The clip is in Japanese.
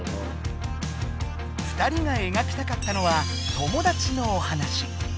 二人がえがきたかったのは友達のお話。